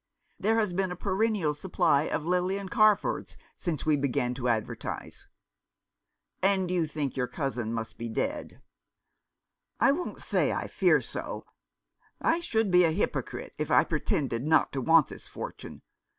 There has been a perennial supply of Lilian Carfords since we began to advertise." " And you think your cousin must be dead ?"" I won't say I fear so — I should be a hypocrite if I pretended not to want this fortune.